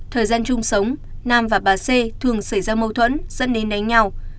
thời gian chung sống nam và bà xê thường xảy ra mâu thuẫn dẫn đến đánh nhau